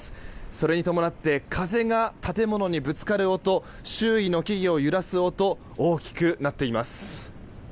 それに伴って風が建物にぶつかる音周囲の木々を揺らす音大きくなっています。